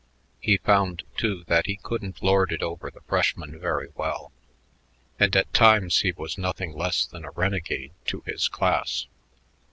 He found, too, that he couldn't lord it over the freshmen very well, and at times he was nothing less than a renegade to his class.